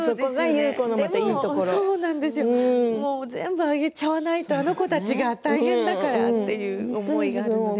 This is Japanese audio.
全部あげちゃわないとあの子たちが大変だからって。